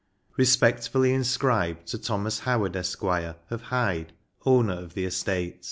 RESPECTFULLY INSCRIBED TO THOMAS HOWARD, ESQ., OF HYDE, OWNER OF THE ESTATE.